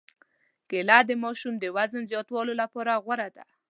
کېله د ماشوم د وزن زیاتولو لپاره غوره ده.